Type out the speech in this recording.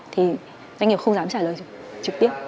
thì doanh nghiệp không dám trả lời trực tiếp